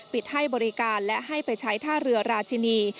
ให้บริการและให้ไปใช้ท่าเรือราชินี